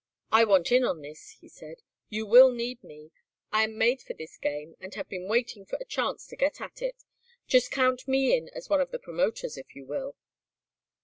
"I want in on this," he said. "You will need me. I am made for this game and have been waiting for a chance to get at it. Just count me in as one of the promoters if you will."